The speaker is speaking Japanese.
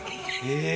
え